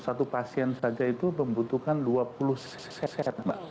satu pasien saja itu membutuhkan dua puluh set